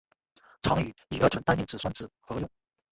常与乙二醇单硬脂酸酯合用。